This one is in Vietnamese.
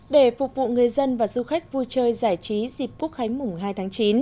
để phục vụ người dân và du khách vui chơi giải trí dịp quốc khánh mùng hai tháng chín